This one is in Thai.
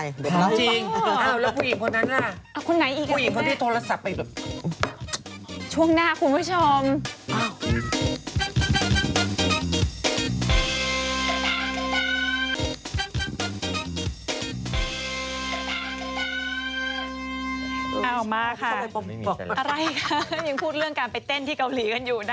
ยังพูดเรื่องการไปเต้นที่เกาหลีกันอยู่นะ